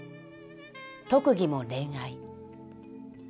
特技も恋愛。